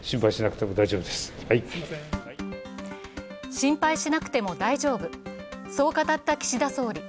心配しなくても大丈夫、そう語った岸田総理。